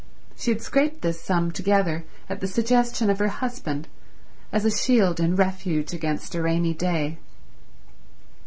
She had scraped this sum together at the suggestion of her husband as a shield and refuge against a rainy day.